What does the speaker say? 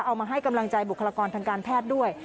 เอามาให้กำลังใจบุคลากรทางการแพทย์ด้วย